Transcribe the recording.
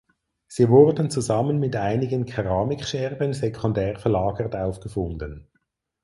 Sie wurden zusammen mit einigen Keramikscherben sekundär verlagert aufgefunden.